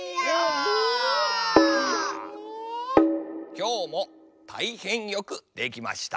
きょうもたいへんよくできました。